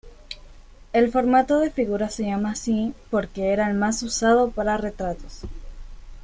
El formato de figura se llama así porque era el más usado para retratos.